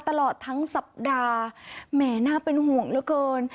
ตลอดทั้งสัปดาห์แหมน่าเป็นห่วงเหลือเกิน